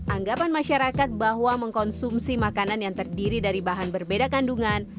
anggapan masyarakat bahwa mengkonsumsi makanan yang terdiri dari bahan berbeda kandungan